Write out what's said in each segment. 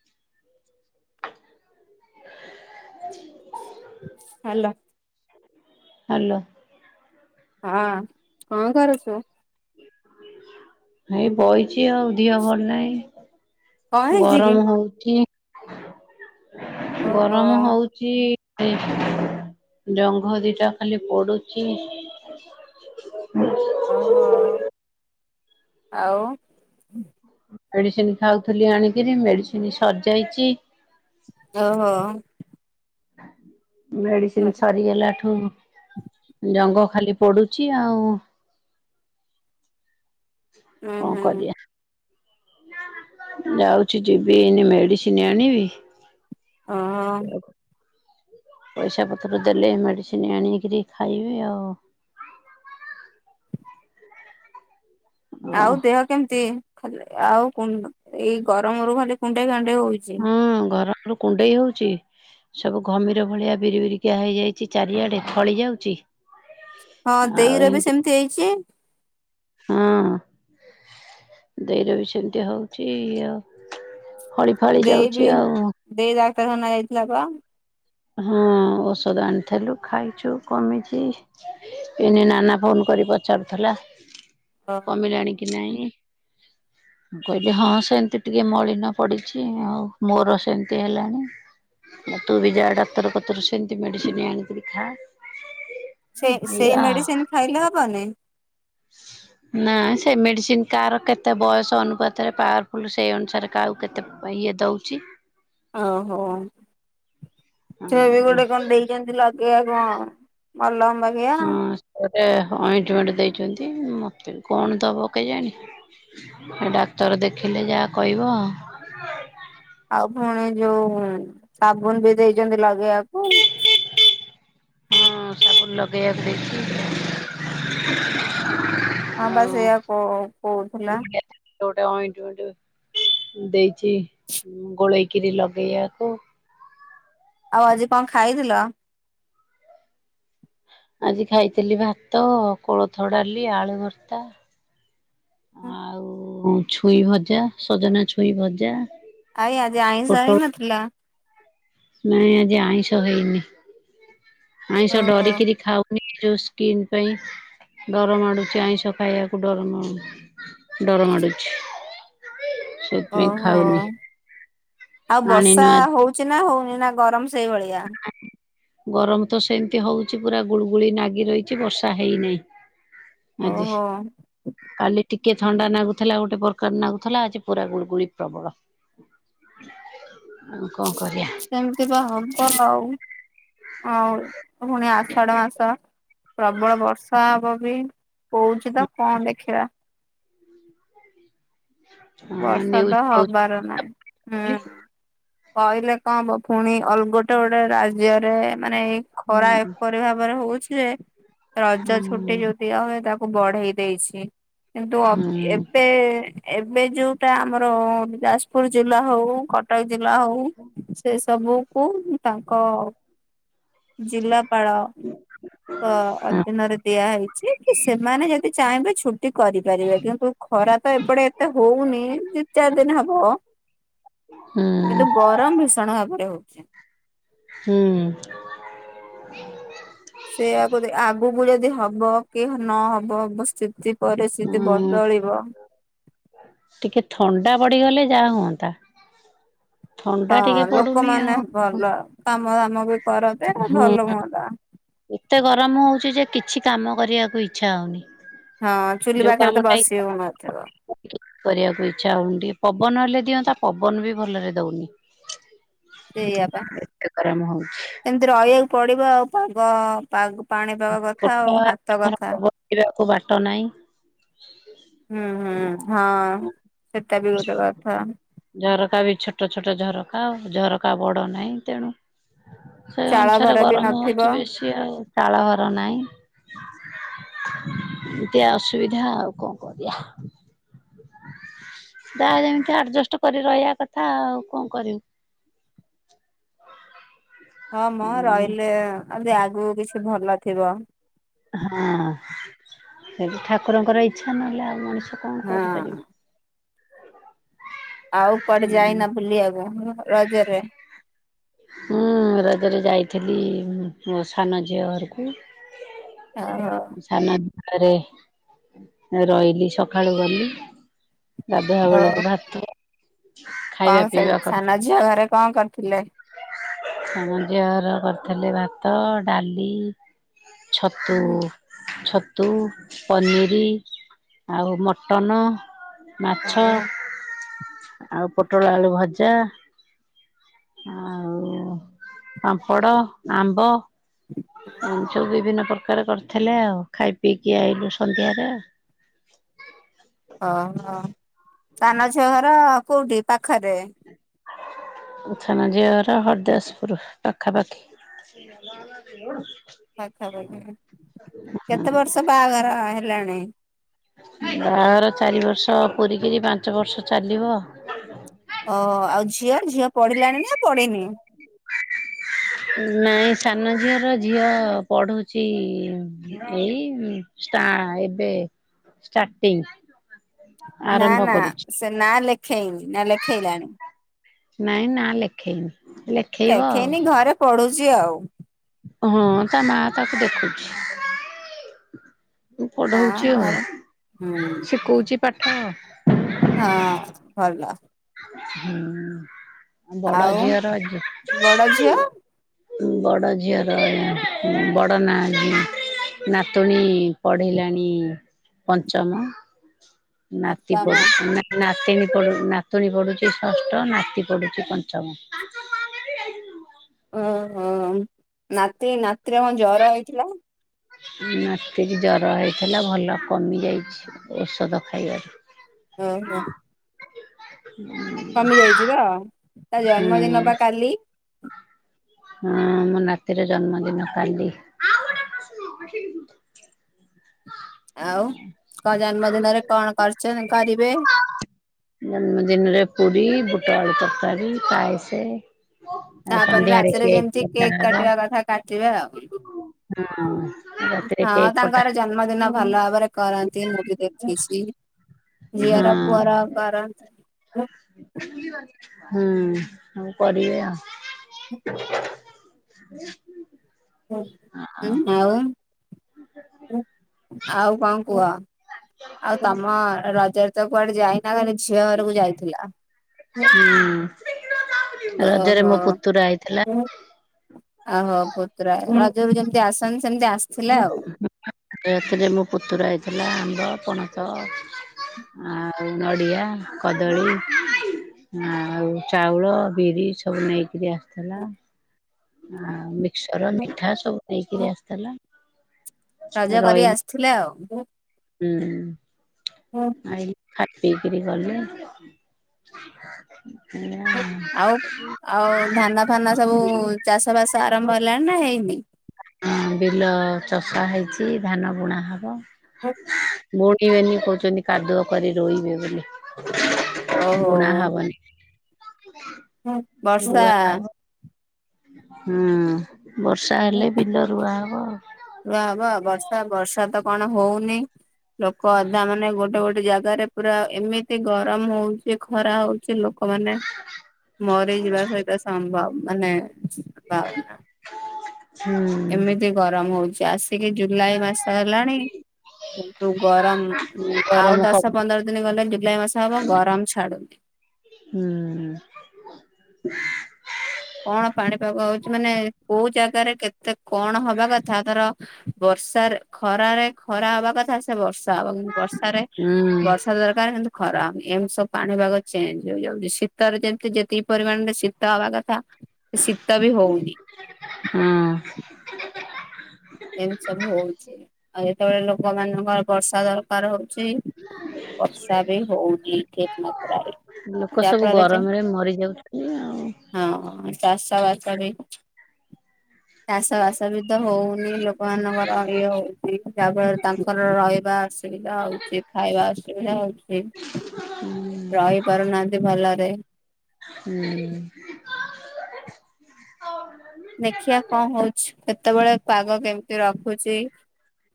[inaudible] Hello. Hello. ହଁ କଣ କରୁଚୁ? ଏଇ ବଇଛି ଆଉ ଦିହ ଭଲ ନାହିଁ କଣ । ହେଇଛି କି? ଗରମ ହଉଚି। [inaudible] ଓହୋ ଗରମ ହଉଚି । ଜଙ୍ଘ ଦିଟା ଖାଲି ପୋଡୁଛି। ଓହୋ ଆଉ। ମେଡିସିନ ଖାଉଥିଲି ଆଣିକିରି ମେଡିସିନ ସରିଯାଇଛି। ଓହୋ। ହ [unintelligible] ମେଡିସିନ ସରିଗଲାଠୁ ଜଙ୍ଗ। ଖାଲି ପୋଡୁଛି ଆଉ। ହୁଁ କଣ ହୁଁ। କରିବା ଯାଉଛି ଯିବି ଏନେ ମେଡିସିନ ଆଣିବି। ଓହୋ ସେ [inaudible] ପଇସା ପତ୍ର ଦେଲେ ମେଡିସିନ ଆଣିକିରି ଖାଇବି ଆଉ। ଆଉ ଦେହ କେମିତି ଖାଲି ଆଉ କଣ। ଏଇ ଗରମ ରୁ ଖାଲି କୁଣ୍ଡେଇ କାଣି। ହଉଛି। ହଁ ଘରରୁ କୁଣ୍ଡେଇ ହଉଛି, ସବୁ ଘମିର ଭଳିଆ ବିରି ବିରିିକିଆ ହେଇଯାଇଛି, ଚାରିଆଡେ ଫଳି ଯାଉଛି। ହଁ ଆଉ ଦେଇର ବି ଏମିତି ସେମିତି ହେଇଛି। ହଁ ଦେଇର ବି ସେମିତି ହଉଛି ଆଉ। ଫଳି ଫଳି ଯାଉଛି ଆଉ। ତ ନା ଇଥିଲା ବା [inaudible] ହଁ ଔଷଧ ଆଣିଥିଲୁ ଖାଇଛୁ କମିଛି ଏନେ ନାନା ଫୋନ କରି ପଚାରୁଥିଲା। ଓହୋ କମିଲାଣି କି ନାଇଁ। ମୁଁ କହିଲି ହଁ ସେମତି ଟିକେ ମଳିନ ପଡିଛି, ଆଉ ମୋର ସେମିତି ହେଲାଣି ତୁ ବି ଯାହା ଟା। ପତର ପତର ସେମତି ମେଡିସିନ ଆଣିକରି ଖା। ସେ ସେଇ ଏଇଆ ଆଉ। ମେଡିସିନ ଖାଇଲେ ହବନି। ନା ସେ ମେଡିସିନ କାହାର କେତେ ବୟସ ଅନୁପାତରେ ପାୱାରଫୁଲ ସେଇ ଅନୁସାରେ କାହାକୁ କେତେ ଇଏ ଦଉଛି। ଓହୋ। ସେବେ ହଁ ଗୋଟେ କଣ ଦେଇଛନ୍ତି ଲ କେ କଣ ମଲମ। ବାଗେଇଆ। ହଁ। ଏ ଅଏଣ୍ଟମେଣ୍ଟ ଦେଇଛନ୍ତି। ମୋତେ କଣ ଦେବ କେଜାଣି? ଏ ଡାକ୍ତର ଦେଖିଲେ ଯାହା କହିବ ଆଉ। ଆପଣ ମାନେ ଯୋଉ ସାବୁନ ବି ଦେଇଛନ୍ତି ଲଗ ଲଗେଇବାକୁ ହଁ ସାବୁନ ଲଗେଇବାକୁ ହଁ ପା ଆଉ ସେଇଆ କୋ-କୋହୁଥୁଲା। ନଡିଆ ତେଲରେ ଗୋଟେ ଅଏଣ୍ଟମେଣ୍ଟ ଦେଇଚି ଗୋଳେଇକିରି ଲଗେଇବାକୁ। ଆଉ ଆଜି କଣ ଖାଇଥିଲ? ଆଜି ଖାଇଥିଲି ଭାତ, କୋଳଥ ଡାଲି, ଆଳୁ ଭର୍ତ୍ତା। ଆଉ। ଛୁଇଁ ଭଜା ସଜନା ଛୁଇଁ ଭଜା ଆଇ ଆଜି ଆଇଁଷ ହେଇ ପୋଟଳ ନଥିଲା? ନାଇଁ ଆଜି ଆଇଁଷ ହେଇନି। ଆଇଁଷ ଓହୋ। ଡରିକିରି ଖାଉନି ଯେଉ ସ୍କିନ୍ ପାଇଁ ଡରମାଡୁଛି ଆଇଁଷ ଖାଇବାକୁ ଡରମାଡୁ ଡରମାଡୁଛି। ଓହୋ ଆଉ ଆଣିନୁ ବର୍ଷା ଆଜି ହଉଚି ନା ହଉ ନା ଗରମ ସେଇଭଳିଆ। ଗରମ ତ ସେମିତି ହଉଛି ପୂରା ଗୁଳୁଗୁଳି ନାଗି ରହିଛି ବର୍ଷା ହେଇନାହିଁ। ଆଜି ଓହୋ କାଲି ଟିକେ କେ ଥଣ୍ଡା ନାଗୁଥିଲା ଗୋଟେ ପ୍ରକାର ନାଗୁଥିଲା ଆଜି ପୁରା ଗୁଳ ଗୁଳି ପ୍ରବଳ ଆଉ କଣ କରି ସେମିତି ବା ହବ ଆଉ। ହଉ ପୁଣି ଆଷାଢ ମାସ ପ୍ରବଳ ବର୍ଷା ହବ। ବି କହୁଛି ତ କଣ ଦେଖିବା। [inaudible] ହଁ ନ୍ୟୁଜ୍ ବର୍ଷାତ କହୁଛି ହବାର ନାହିଁ ହୁଁ। କହିଲେ କଣ ହବ ପୁଣି ଅଲ ଗୋଟେ ଗୋଟେ ରାଜ୍ୟରେ ମାନେ ଏଇ ଖରା ଏପରି ଭାବରେ ହଉଛି ଲେ ରଜ ହୁଁ ଛୁଟି ଯୋଉ ଦିଆହୁଏ ତାକ ବଢେଇ ଦେଇଛି। କିନ୍ତୁ ଅବ୍ ହୁଁ ଏବେ ଏବେ ଯୋଉଟା ଆମର ଯାଜପୁର ଜିଲ୍ଲା ହଉ କଟକ ଜିଲ୍ଲା ହଉ ସେ ସବୁକୁ ତାଙ୍କ ଜିଲା ପାଳଙ୍କ ଅଧୀନରେ ଦିଆ ହେଇଛି କି ସେମାନେ ଯଦି ଚାହିଁବେ ଛୁଟି କରିପାରିବେ କିନ୍ତୁ ଖରା ତ ଏପଟେ ଏତେ ହଉନି ଦି ଚାରି ଦିନ ହବ ହୁଁ କିନ୍ତୁ ଗରମ ଭୀଷଣ ଭାବରେ ହଉଛି। ହ [inaudible] ସେଇଆକୁ ଆଗକୁ ଯଦି ହବ କି ନହବ ଅବସ୍ଥିତି ପରିସ୍ଥିତି ବଦଳିବ। ପଡ଼ିଗଲେ ଯାଆ ହୁଅନ୍ତା। ଥଣ୍ଡା ହଁ ଟିକେ ପଡୁନି ଲୋକମାନେ ଆଉ ଭଲ କାମ ଦାମ ବି କରନ୍ତି ହୁଁ ଭଲ ହୁଅନ୍ତା। ଏତେ ଗରମ ହଉଚି ଯେ କିଛି କାମ କରିବାକୁ ଇଚ୍ଛା ହଉନି। ହଁ ଚୁଲି ଯୋଉ ପାଖରେ ତ କାମଟା ଇଚ୍ଛା ବସି ହଉନଥିବ। କରିବାକୁ ଇଚ୍ଛା ହଉନି ଟିକେ ପବନ ହେଲେ ଦିଅନ୍ତା ପବନ ବି ଭଲରେ ଦଉନି। ସେଇପା ଏତେ ଗରମ ହଉଛି ଏମନ୍ତି ରଇବାକୁ ପଡିବ ଆଉ ପାଗ ପା ପାଣିପାଗ କଥା ଆଉ ହାତ କଥା। କୁ ବାଟ ନାଇଁ। ହୁଁ ହୁଁ ହଁ ସେଟା ବି ଗୋଟେ କଥା। ଝରକା ବି ଛୋଟ ଛୋଟ ଝରକା ଆଉ ଝରକା ବଡ ନାହିଁ ତେଣୁ ସେଇ ଚାଳ ଅନୁସାରେ ଘର ବି ଗରମ ନଥିବ। ହଉଚି ବେଶୀ ଆଉ। ଘର ନାଇଁ ଏମତିଆ ଅସୁବିଧା ଆଉ କଣ କରିବା। ଜାଆ ଯେମିତି ଆଡଜଷ୍ଟ କରି ରହିବା କଥା ଆଉ କଣ କରିବୁ? ହ ମ ରଇଲେ ଯଦି ଆଗକୁ କିଛି ଭଲ ଥିବ। ହଁ ସେଠି ଠାକୁରଙ୍କର ଇଚ୍ଛା ନହେଲେ ଆଉ ମଣିଷ କଣ ହଁ। କରିପାରିବ? ଆଉ କୁଆଡେ ହୁଁ ଯାଇନ ବୁଲିବାକୁ ରଜରେ? ଥିଲି ମୋ ସାନ ଝିଅ ଘରକୁ। ଓହୋ। ଆରେ ରଇଲି ସକାଳୁ ଗଲି। ଗାଧୁଆ ହଉ ବେଳକୁ ଭାତ। ଖାଇବା କଣ ସେ ପିଇବା କରି ସାନ ଝିଅ ଘରେ କଣ କରିଥିଲେ? ସାନଝିଅ ହର କରିଥିଲେ ଭାତ, ଡାଲି। ଛତୁ ଛତୁ ପନିର ଆଉ ମଟନ। ମାଛ। ଓହୋ ଆଉ ପୋଟଳ ଆଳୁ ଳୁ ଭଜା । ଆଉ ପାମ୍ଫଡ ଆମ୍ବ । ଏମତି ସବୁ ବିଭିନ୍ନ ପ୍ରକାର କରିଥିଲେ ଆଉ ଖାଇ ପିଇକି ଆଇଲୁ ସନ୍ଧ୍ୟାରେ ଅ ହ । ସାନ ଛିଅ ଘର । କୋଉଠି ପାଖରେ । ମୋ ସାନ ଝିଅ ଘର ହରି ଦାସପୁର ପାଖା ପାଖି । ପାଖା ପକ୍ଷୀ। କେତେ ବର୍ଷ ବାହାଘର ହେଲାଣି । ସ ପୁରୀକିରି ପାଞ୍ଚ ବର୍ଷ ଚାଲିବ । ଓ ଆଉ ଝିଅ ଝିଅ ପଢିଲାଣି ପଢିନି । ନାଇଁ ସାନ ଝିଅର ଝିଅ ପଢୁଛି ଏଇ ଷ୍ଟା ଏବେ ଷ୍ଟାଟିଙ୍ଗ । ନା ନା ସେ ନା ଲେଖେଇଲି ନି ନା ଲେଖେଇଲାଣି । ନାଇଁ ନା ଲେଖେଇନି । ଲେଖେଇନି ଘରେ ପଡୁଛ । ଉଛି ଆଉ। ହଁ ତା ମା ତାକୁ ଦେଖୁଛି । ମୁଁ ହଁ ପଢଉଛି ଆଉ ଘରେ ହୁଁ ଶିଖଉଛି । ପାଠ । ହଁ ଭଲ । ହୁଁ। ଆଉ ବଡ ଝିଅ । ବଡ଼ ଝିଅର ବଡ଼ ନା ନାତୁଣୀ ପଢ଼ିଲାଣି ପଞ୍ଚମ। ନାତି ବାପା ମା ପଢି ନା ନାତି । ତିନି ପୁରୀ ନା । ନାତୁଣୀ ପଡ଼ୁଛି ଷଷ୍ଠ ନାତି ପଡ଼ୁଛି ପଞ୍ଚମ । ଓହୋ ନାତି ନାତିର କ ମୋର ଜର ହେଇଥିଲା । ନାତିରେ ଜର ହେଇଥିଲା ଭଲ କମି ଯାଇଛି ଔଷଧ ଖାଇବାରୁ । ଓ ହୋ । କମି ଯାଇଛି ବା ତା ହୁଁ ଜନ୍ମଦିନ ବା କାଲି । ହଁ ମୋ ନାତିର ଜନ୍ମଦିନ କାଲି । ଆଉ କ ଜନ୍ମଦିନରେ କଣ କରିଛନ୍ତି କରିବେ ଜନ୍ମ ଦିନରେ ପୁରୀ ବୁ । ଟ ଆଳୁ ତରକରି ପାୟସେ । ତାପରେ ରାତିରେ ଯେମିତି କେକ୍ ହବ। କାଟିବା କଥା କାଟିବେ ଆଉ ହଁ ରାତିରେ ହଁ କେକ୍ କଟା ତାଙ୍କର ଜନ୍ମଦିନ ବା। ଭଲ ଭାବରେ କରନ୍ତି ମୁବି ଦେଖଛି । ଝୀଅ ର ହଁ ପୁଅ ର କରନ୍ତି। ହୁଁ ସବୁ କରିବେ ଆଉ। [inaudible] [inaudible] ଆଉ ଆଉ କଣ କୁହ? ଆଉ ତମ ରଜରେ ତ କୁଆଡେ ଯାଇନି। ଝିଅ ବରକୁ ଯାଇଥିଲା ହୁଁ ରଜରେ ଓହୋ ମୋ ପୁତୁରା ହେଇଥିଲା। ଓହୋ ପତୁରା। ଯେମିତି ଆସନ ସେମିତି ଆସ ସେ ଏଥିରେ ମୋ ପୁତୁରା ହେଇଥିଲା ଆମର [inaudible] ଆ। ଆଉ ନଡ଼ିଆ କଦଳୀ ଆଉ ଚାଉଳ ବିରି ସବୁ ନେଇକରି ଆସୁ [unintelligible] ଆଉ ମିକ୍ସର ମିଠା ସବୁ ନେଇକିରି ଆସିଥିଲା। ରଜା କରି ରହିଲି ଆସିଥିଲେ ଆଉ [inaudible] ହୁଁ। [inaudible] ବିକ୍ରି କଲେ। ଆଉ ଆଉ ଧାନା ଫାନା ସବୁ ଚାଷ ବାସ ଆରମ୍ଭ ହେଲାଣି ନା ହେଇନି। ବିଲ ଚଷ ହେଇଚି ଧାନ ବୁଣା ହବ ହଁ। ବୁଣିବେନି କହୁଛନ୍ତି କାଦୁଅ କରି ରୋୋଇବେେ ବୋଲି। ଓହୋ। ବୁଣା ହବନି। ବର୍ଷା। ରୁଆ ହବ ହୁଁ। ବର୍ଷା ହେଲେ ବିଲରୁୁଆ ଆଉ ହଁ। ପା ହବ ବର୍ଷା ବର୍ଷା ତ କଣ ହଉନି ଲୋକ ଅଧା ମାନେ ଗୋଟେ ଗୋଟେ। ଜାଗାରେ ପୁରା ଏମିତି ଗରମ ହଉଛି ଖରା ହଉଛି ଲୋ ଲୋକମାନେ ମରିଯିବା ସହିତ ସମ୍ଭବ ମାନେ ପଉନା ଆଉ। ଏମିତି ଗରମ ହଉଛି ଚାଷୀିକ ଜୁଲାଇ ମାସ ହେଲାଣି କିନ୍ତୁ ଗରମ ହୁଁ ଆଉ ଗରମ ଦଶ କମି ପନ୍ଦର ଦିନ ଗଲେ ଜୁଲାଇ ମାସ ହବ ଗରମ ଛାଡୁନି ହୁଁ କଣ ପାଣିପାଗ ହଉଛି ମାନେ କୋଉ ଜାଗାରେ କେତେ କଣ ହବା କଥା ଧର ବର୍ଷାରେ ଖରାରେ ଖରା ହବା କଥା ସେ ବର୍ଷା ହବ କିନ୍ତୁ ବର୍ଷାରେ ହୁଁ ବର୍ଷା ଦରକାର କିନ୍ତୁ ଖରା ଏମି ସବୁ ପାଣିପାଗ ଚେଞ୍ଜ ହେଇଯାଉଛି ଶୀତରେ ଯେମିତି ଯେତିକି ପରିମାଣରେ ଶୀତ ହବା କଥା ଶୀତ ବି ହଉନି ହଁ। ଏମିତି ସବୁ ହଉଛି ଆଉ ଯେତେବେଳେ ଲୋକମାନାନଙ୍କର ବର୍ଷା ଦରକାର ହଉ ବଷା ବି ହଉନି ମାତ୍ରାରେପଣ ହଁ ଲୋକ ଚା ସବୁ ବା ଗରମରେ ମରିଯାଉଛନ୍ତି ଆଉ। [unintelligible] ରେ [unintelligible] ଚାଷ ବାସ ବି ତ ହଉନି ି ଲୋକମାନାନଙ୍କର ଇଏ ହଉଛି ଯାହାଫଳରେ ତାଙ୍କର ରହିବା ଅସୁବିଧା ହଉଛି ଖାଇବା ଅସୁବିଧା ହଉଛି ହୁଁ ରହି ପାରୁନାହାନ୍ତି ଭଲରେ ହୁଁ ଦେଖିବା କଣ ହଉଛିୁ କେତେବେଳେ ପାଗ କେମିତି ରଖୁଛି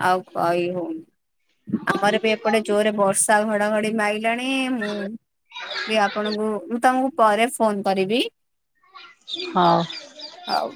ଆଉ କହି ହଉନି ଆମର ବି ଏପଟେ ଜୋରେ ବର୍ଷା ଘଟ ଡିାଇ [unintelligible] ଣି ମୁଁ ବି ଆପଣଙ୍କୁ ମୁଁ ତମକୁ ପରେ ଫୋନ କରିବି ହଁ ହଉ